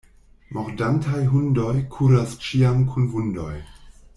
Mordantaj hundoj kuras ĉiam kun vundoj.